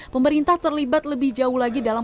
pemerintah terlibat lebih jauh lagi dalam